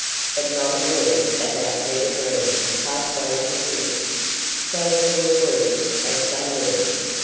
But not a word about Peter Breen passed Rose's lips, so full of words as they were.